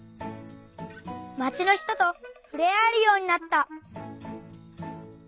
「まちの人とふれあえるようになった」。